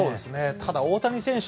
ただ、大谷選手